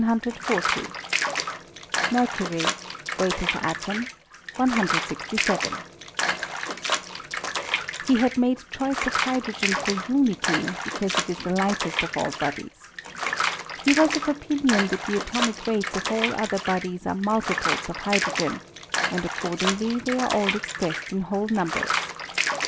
. 42 Mercury 167 He had made choice of hydrogen for unity, be cause it is the lightest of all bodies. He was of opinion that the atomic weights of all other bodies we multiples of hydrogen; and, accordingly, they are all expressed in whole numbers.